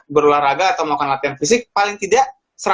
berolahraga atau mau kan latihan fisik paling tidak